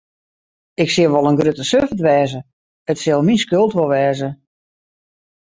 Ik sil wol in grutte suffert wêze, it sil myn skuld wol wêze.